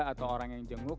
atau orang yang jenguk